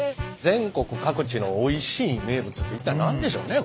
全国各地のおいしい名物って一体何でしょうね？